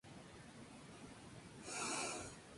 Surgieron la "Commedia dell’arte" y los entremeses españoles.